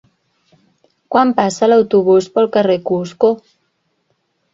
Quan passa l'autobús pel carrer Cusco?